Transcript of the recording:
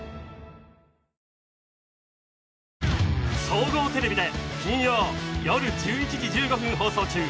総合テレビで金曜夜１１時１５分放送中！